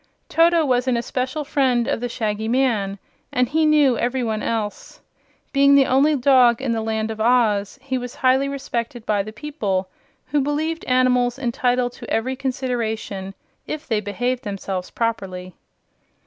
Toto was an especial friend of the Shaggy Man, and he knew every one else. Being the only dog in the Land of Oz, he was highly respected by the people, who believed animals entitled to every consideration if they behaved themselves properly.